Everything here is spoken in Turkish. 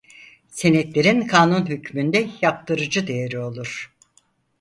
Senetlerin kanun hükmünde yaptırıcı değeri olur.